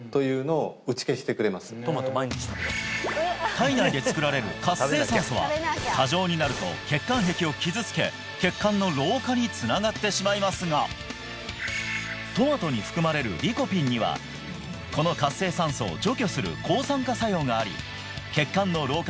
体内で作られる活性酸素は過剰になると血管壁を傷つけ血管の老化につながってしまいますがトマトに含まれるリコピンにはこの働きがあるんです